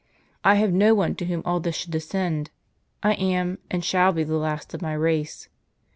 I have no one to whom all this should descend. I am, and shall be, the last of my race.